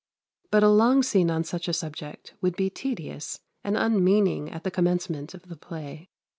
But a long scene on such a subject would be tedious and unmeaning at the commencement of the play.